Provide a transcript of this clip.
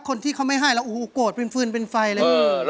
ถ้าคนที่เขาไม่ให้เรากรดเป็นฟืนเป็นไฟว่ะ